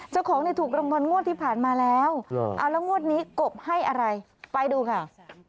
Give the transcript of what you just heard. เจ้าของเนี่ยถูกรางวัลงวดที่ผ่านมาแล้วเอาแล้วงวดนี้กบให้อะไรไปดูค่ะ